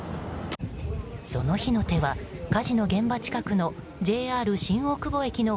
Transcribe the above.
その火の手は火事の現場近くのＪＲ新大久保駅の